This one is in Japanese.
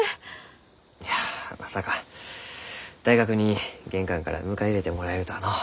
いやまさか大学に玄関から迎え入れてもらえるとはのう。